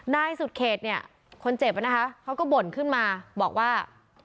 นายสุดเขตเนี่ยคนเจ็บนะคะเขาก็บ่นขึ้นมาบอกว่า